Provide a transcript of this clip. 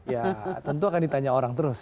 ya tentu akan ditanya orang terus